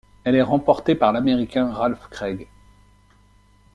Elle est remportée par l'Américain Ralph Craig.